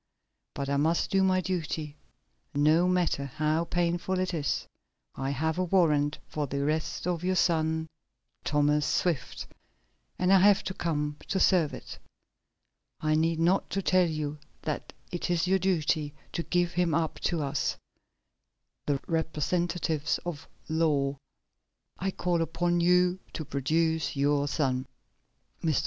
But I must do my duty, no matter how painful it is. I have a warrant for the arrest of your son, Thomas Swift, and I have come to serve it. I need not tell you that it is your duty to give him up to us the representatives of the law. I call upon you to produce your son." Mr.